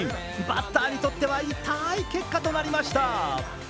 バッターにとっては痛い結果となりました。